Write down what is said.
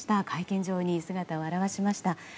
会見場に姿を現しました。